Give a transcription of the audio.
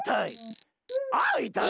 あいたい。